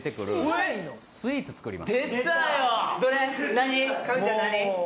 何？